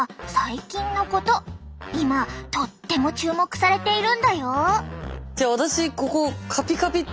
今とっても注目されているんだよ。